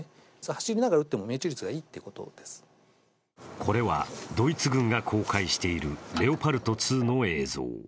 これはドイツ軍が公開しているレオパルト２の映像。